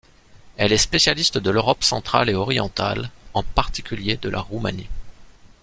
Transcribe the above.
Elle est spécialiste de l’Europe centrale et orientale, en particulier de la Roumanie.